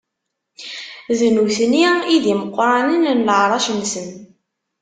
D nutni i d imeqranen n leɛṛac-nsen.